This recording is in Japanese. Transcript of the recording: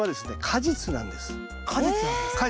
果実なんですか？